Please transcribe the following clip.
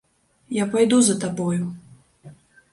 Я пайду за табою.